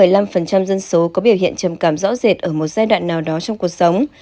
một mươi năm dân số có biểu hiện trầm cảm rõ rệt ở một giai đoạn nào đó trong cuộc sống